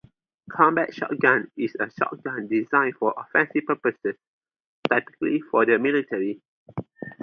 Combat shotgun is a shotgun designed for offensive purposes, typically for the military.